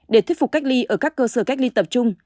để thuyết phục cách ly ở các cơ sở cách ly tập trung